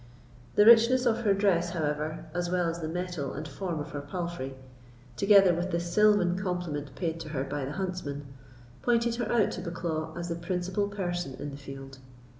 The richness of her dress, however, as well as the mettle and form of her palfrey, together with the silvan compliment paid to her by the huntsman, pointed her out to Bucklaw as the principal person in the field.